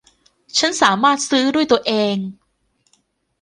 ฉันสามารถซื้อด้วยตัวเอง